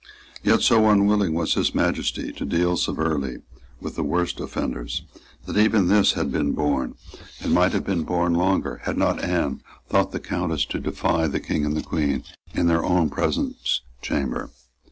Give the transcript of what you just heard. Yet so unwilling was His Majesty to deal severely with the worst offenders, that even this had been borne, and might have been borne longer, had not Anne brought the Countess to defy the King and Queen in their own presence chamber.